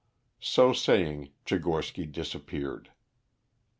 So saying Tchigorsky disappeared.